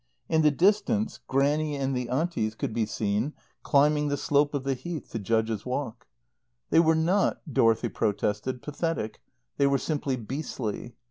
In the distance Grannie and the Aunties could be seen climbing the slope of the Heath to Judges' Walk. They were not, Dorothy protested, pathetic; they were simply beastly.